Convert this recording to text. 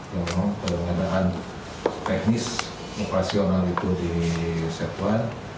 dengan perengadaan teknis operasional itu di setuan